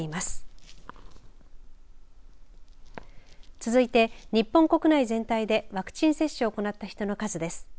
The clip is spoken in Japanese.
続いて日本国内全体でワクチン接種を行った人の数です。